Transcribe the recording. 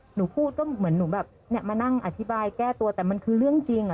หนูพูดก็เหมือนหนูแบบเนี่ยมานั่งอธิบายแก้ตัวแต่มันคือเรื่องจริง